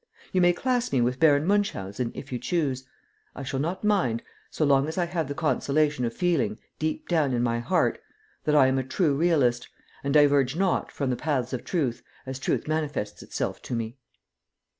You may class me with Baron Munchausen if you choose; I shall not mind so long as I have the consolation of feeling, deep down in my heart, that I am a true realist, and diverge not from the paths of truth as truth manifests itself to me.